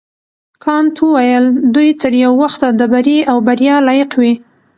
کانت وویل دوی تر یو وخته د بري او بریا لایق وي.